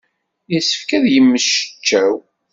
Yessefk ad yemmecčaw.